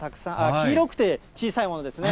黄色くて小さいものですね。